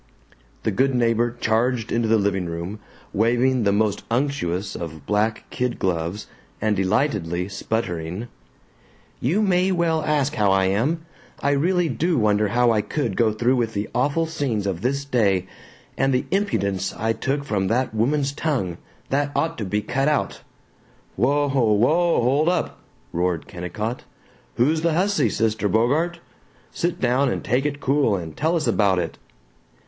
The good neighbor charged into the living room, waving the most unctuous of black kid gloves and delightedly sputtering: "You may well ask how I am! I really do wonder how I could go through the awful scenes of this day and the impudence I took from that woman's tongue, that ought to be cut out " "Whoa! Whoa! Hold up!" roared Kennicott. "Who's the hussy, Sister Bogart? Sit down and take it cool and tell us about it."